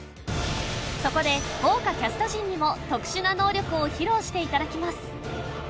そこで豪華キャスト陣にも特殊な能力を披露していただきます